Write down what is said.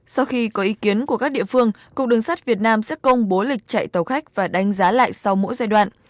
sau khi có ý kiến của các địa phương cục đường sắt việt nam sẽ công bố lịch chạy tàu khách và đánh giá lại sau mỗi giai đoạn